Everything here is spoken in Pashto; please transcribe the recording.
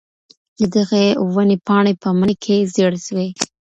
د دغې وني پاڼې په مني کي زیړې سوې.